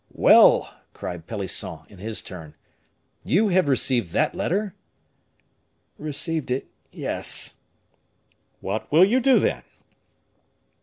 "Well," cried Pelisson, in his turn, "you have received that letter?" "Received it, yes!" "What will you do, then?"